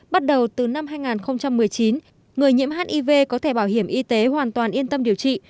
bắt đầu từ năm hai nghìn một mươi chín người nhiễm hiv có thẻ bảo hiểm y tế hoàn toàn yên tâm điều trị